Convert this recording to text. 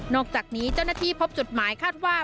อกจากนี้เจ้าหน้าที่พบจุดหมายคาดว่า